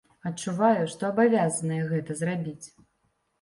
Адчуваю, што абавязаная гэта зрабіць.